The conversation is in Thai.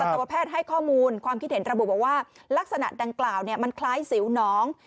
ตวแพทย์ให้ข้อมูลความคิดเห็นระบุบอกว่าลักษณะดังกล่าวมันคล้ายสิวน้อง